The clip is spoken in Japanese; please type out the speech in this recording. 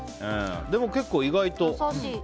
でも、結構意外とね。